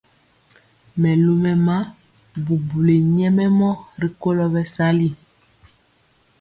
Mɛlumɛma bubuli nyɛmemɔ rikolo bɛsali.